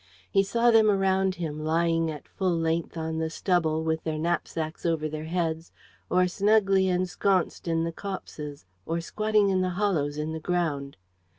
He saw them around him, lying at full length on the stubble, with their knapsacks over their heads, or snugly ensconced in the copses, or squatting in the hollows in the ground.